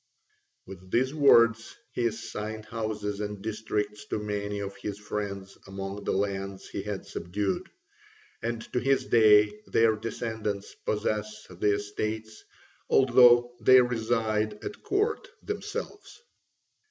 With these words he assigned houses and districts to many of his friends among the lands he had subdued: and to this day their descendants possess the estates, although they reside at court themselves.